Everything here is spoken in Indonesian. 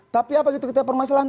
tapi apa itu kita permasalahan